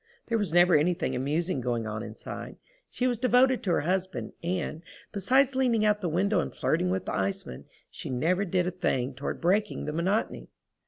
There was never anything amusing going on inside—she was devoted to her husband, and, besides leaning out the window and flirting with the iceman, she never did a thing toward breaking the monotony.